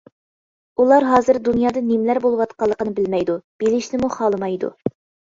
ئۇلار ھازىر دۇنيادا نېمىلەر بولۇۋاتقانلىقىنى بىلمەيدۇ، بىلىشنىمۇ خالىمايدۇ.